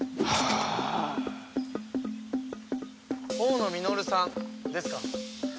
大野稔さんですか？